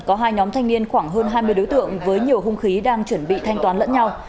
có hai nhóm thanh niên khoảng hơn hai mươi đối tượng với nhiều hung khí đang chuẩn bị thanh toán lẫn nhau